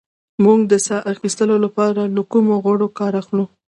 موږ د ساه اخیستلو لپاره له کومو غړو کار اخلو